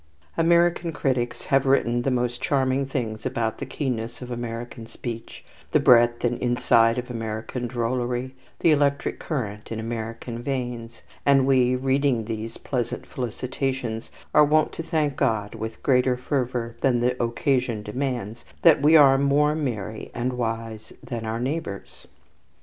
American critics have written the most charming things about the keenness of American speech, the breadth and insight of American drollery, the electric current in American veins; and we, reading these pleasant felicitations, are wont to thank God with greater fervour than the occasion demands that we are more merry and wise than our neighbours.